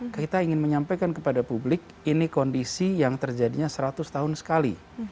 kita ingin menyampaikan kepada publik ini kondisi yang terjadinya seratus tahun sekali